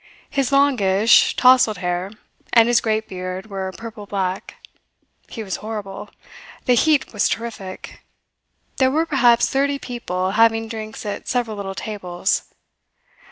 His longish, tousled hair and his great beard were purple black. He was horrible. The heat was terrific. There were perhaps thirty people having drinks at several little tables.